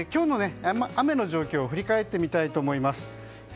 今日の雨の状況を振り返ってみたいと思います。